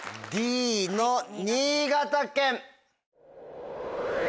Ｄの新潟県。